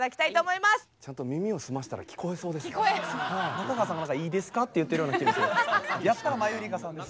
・中川さんが「いいですか？」って言ってるような気がする。